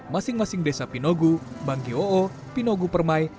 masing masing desa pinogu banggi o'o pinogu permai